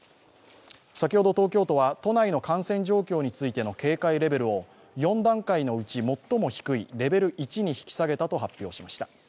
先ほど東京都は、都内の感染状況についての警戒レベルを４段階のうち最も低いレベル１に引き下げたと発表しました。